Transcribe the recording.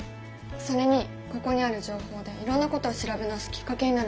それにここにある情報でいろんなことを調べ直すきっかけになるんじゃない？